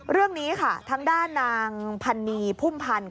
เรื่องนี้ค่ะทางด้านนางพันนีพุ่มพันธ์